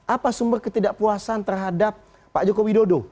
apa sumber ketidakpuasan terhadap pak jokowi dodo